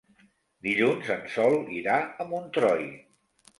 Dilluns en Sol irà a Montroi.